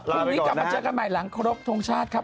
พรุ่งนี้กลับมาเจอกันใหม่หลังครบทรงชาติครับ